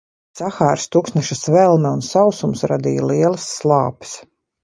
Sahāras tuksneša svelme un sausums radīja lielas slāpes.